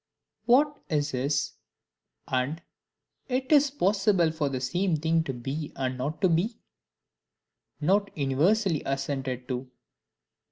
"What is is," and "It is possible for the same Thing to be and not to be," not universally assented to.